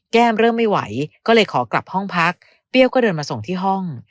เริ่มไม่ไหวก็เลยขอกลับห้องพักเปรี้ยวก็เดินมาส่งที่ห้อง